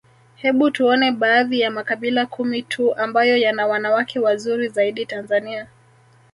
Hebu tuone baadhi ya makabila kumi tuu ambayo yana wanawake wazuri zaidi Tanzania